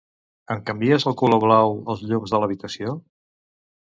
Em canvies al color blau els llums de l'habitació?